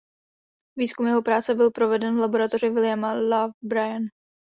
Výzkum jeho práce byl proveden v laboratoři Williama Lowe Bryan.